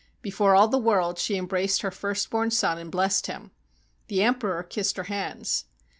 Before all the world she embraced her first born son and blessed him. The emperor kissed her hands.